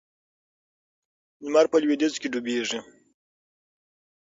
لمر په لویدیځ کې ډوبیږي.